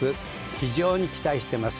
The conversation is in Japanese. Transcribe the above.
非常に期待してます。